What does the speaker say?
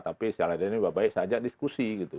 tapi saya ladenin baik baik saja diskusi gitu